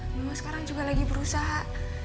mama sekarang juga lagi berusaha